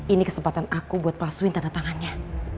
ini kesempatan aku buat prasuin tanda tangannya